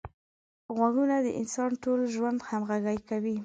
غوږونه د انسان ټول ژوند همغږي کوي